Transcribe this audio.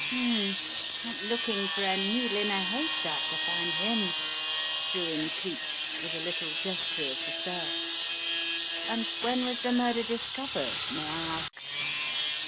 "H'm, like looking for a needle in a haystack to find him" threw in Cleek with a little gesture of de spair. "And when was the murder discovered, may I ask?"